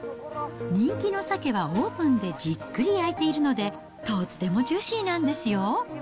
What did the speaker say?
人気のサケはオーブンでじっくり焼いているので、とってもジューシーなんですよ。